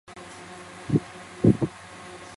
该剧拍摄于海南岛。